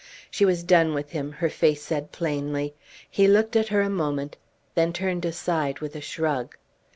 She was done with him, her face said plainly; he looked at her a moment, then turned aside with a shrug.